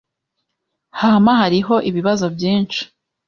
Hama hariho ibibazo byinshi.